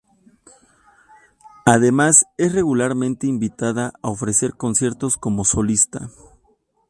Además es regularmente invitada a ofrecer conciertos como solista.